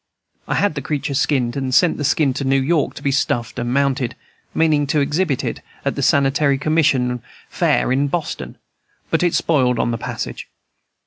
I had the creature skinned, and sent the skin to New York to be stuffed and mounted, meaning to exhibit it at the Sanitary Commission Fair hi Boston; but it spoiled on the passage.